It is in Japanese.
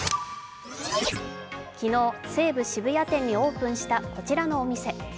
昨日、西武渋谷店にオープンしたこちらのお店。